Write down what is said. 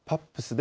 で